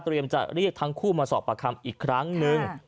เตรียมจะเรียกทั้งคู่มาสอบประคัมอีกครั้งหนึ่ง